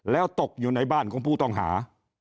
แล้วตกอยู่ในบ้านของผู้ต้องหา